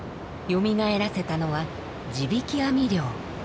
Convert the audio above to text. よみがえらせたのは地引網漁。